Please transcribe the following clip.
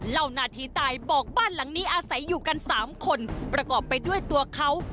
นาทีตายบอกบ้านหลังนี้อาศัยอยู่กัน๓คนประกอบไปด้วยตัวเขา